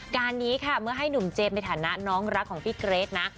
การนี้ค่ะเมื่อให้หนุ่มเจมส์ในฐานะน้องรักของพี่เกรทนะ